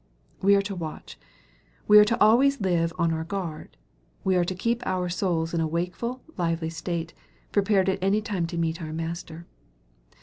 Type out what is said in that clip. We are to watch. We are to live always on our guard. We are to keep our souls in a wakeful, lively state, prepared at any time to meet our Master.